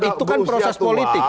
itu kan proses politik